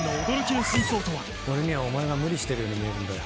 俺にはお前が無理してるように見えるんだよ。